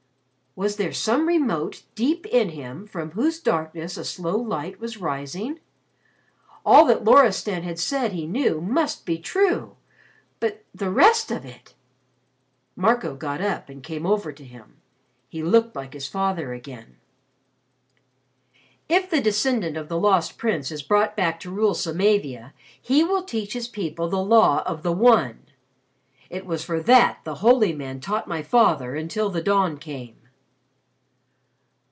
Was there some remote deep in him from whose darkness a slow light was rising? All that Loristan had said he knew must be true. But the rest of it ? Marco got up and came over to him. He looked like his father again. "If the descendant of the Lost Prince is brought back to rule Samavia, he will teach his people the Law of the One. It was for that the holy man taught my father until the dawn came."